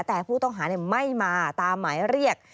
แต่ผู้ต้องหาไม่มาตามหมายเรียก